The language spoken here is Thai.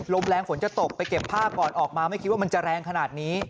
ลมแรงฝนจะตกไปเก็บภาพก่อนออกมาไม่คิดว่ามันจะแรงขนาดนี้